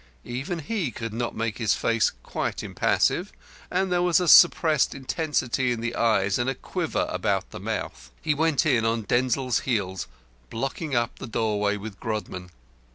Even he could not make his face quite impassive, and there was a suppressed intensity in the eyes and a quiver about the mouth. He went in on Denzil's heels, blocking up the doorway with Grodman.